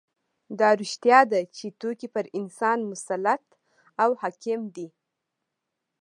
دا رښتیا ده چې توکي پر انسان مسلط او حاکم دي